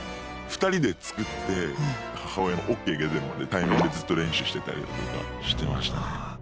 ２人で作って母親のＯＫが出るまで対面でずっと練習してたりだとかしてましたね。